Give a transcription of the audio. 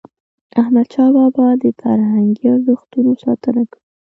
احمدشاه بابا د فرهنګي ارزښتونو ساتنه کړی.